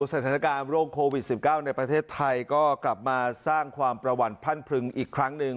สถานการณ์โรคโควิด๑๙ในประเทศไทยก็กลับมาสร้างความประวัติพันพรึงอีกครั้งหนึ่ง